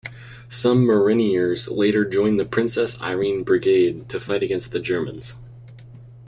Some Mariniers later joined the Princess Irene Brigade to fight against the Germans.